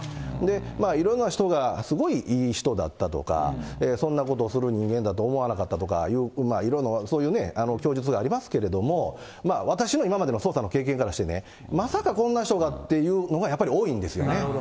いろんな人がすごいいい人だったとか、そんなことをする人間だと思わなかっただとか、いろんなそういうね、供述がありますけれども、私の今までの捜査の経験からしてね、まさかこんな人がっていうのが、やっぱり多いんですよね。